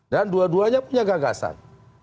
dan dua duanya punya gagasan